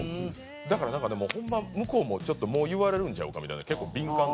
だからなんかでもホンマ向こうもちょっともう言われるんちゃうかみたいな結構敏感になってて。